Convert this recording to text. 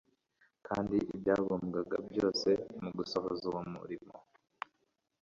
kandi ibyangombwa byose mu gusohoza uwo murimo